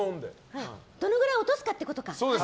どのくらい落とすかってことか。